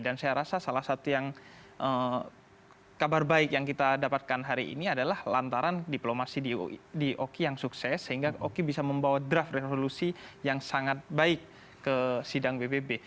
dan saya rasa salah satu yang kabar baik yang kita dapatkan hari ini adalah lantaran diplomasi di oki yang sukses sehingga oki bisa membawa draft revolusi yang sangat baik ke sidang pbb